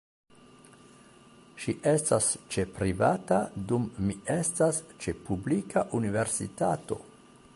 Ŝi estas ĉe privata dum mi estas ĉe publika universitato.